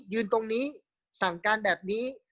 ยืนตรงนี้สั่งการแบบนี้